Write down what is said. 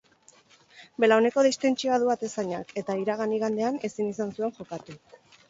Belauneko distentsioa du atezainak eta iragan igandean ezin izan zuen jokatu.